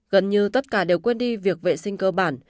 gần như tất cả đều quên đi việc vệ sinh cơ bản